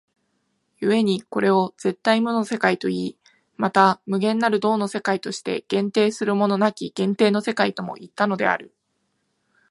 故にこれを絶対無の世界といい、また無限なる動の世界として限定するものなき限定の世界ともいったのである。